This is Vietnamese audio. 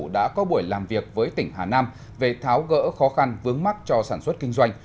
đã có buổi làm việc với tỉnh hà nam về tháo gỡ khó khăn vướng mắt cho sản xuất kinh doanh